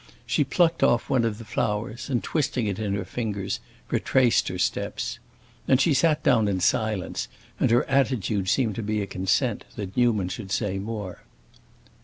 She plucked off one of the flowers and, twisting it in her fingers, retraced her steps. Then she sat down in silence, and her attitude seemed to be a consent that Newman should say more.